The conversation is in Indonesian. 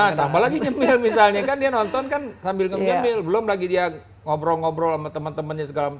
nah tambah lagi nyemil misalnya kan dia nonton kan sambil ngemil belum lagi dia ngobrol ngobrol sama temen temennya segala macam